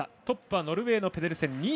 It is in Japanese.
トップはノルウェーのペデルセン。